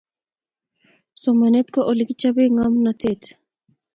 Somanet ko olekichopee ng'omnotet